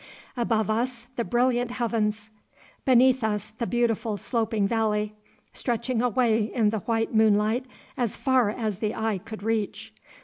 Above us the brilliant heavens, beneath us the beautiful sloping valley, stretching away in the white moonlight as far as the eye could reach.